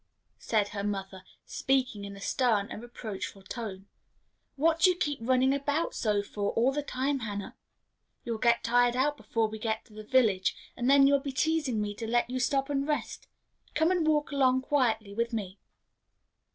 said her mother, speaking in a stern and reproachful tone; "what do you keep running about so for all the time, Hannah? You'll get tired out before we get to the village, and then you'll be teasing me to let you stop and rest. Come and walk along quietly with me."